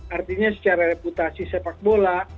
artinya secara reputasi sepak bola